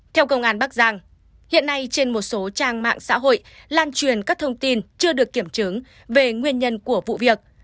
theo công an bắc giang hiện nay trên một số trang mạng xã hội lan truyền các thông tin chưa được kiểm chứng về nguyên nhân của vụ việc